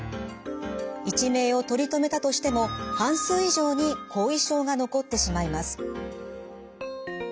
一命を取り留めたとしても半数以上に後遺症が残ってしまいます。